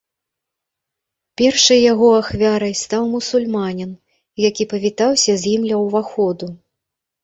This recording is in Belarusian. Першай яго ахвярай стаў мусульманін, які павітаўся з ім ля ўваходу.